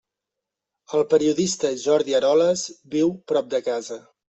El periodista Jordi Eroles viu prop de casa.